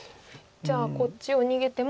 じゃあこっちを逃げても。